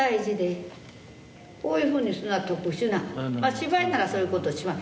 芝居ならそういうことします。